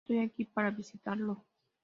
Estoy aquí para visitarlo".